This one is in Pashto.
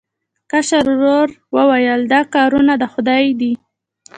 کشر ورور وویل دا کارونه د خدای دي.